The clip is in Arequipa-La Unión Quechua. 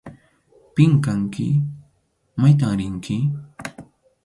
¿Pim kanki? ¿Maytam rinki?